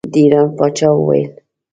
د ایران پاچا وویل.